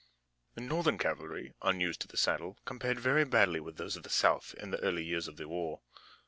The Northern cavalry, unused to the saddle, compared very badly with those of the South in the early years of the war.